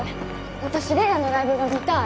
私玲矢のライブが見たい。